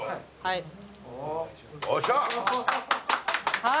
はい。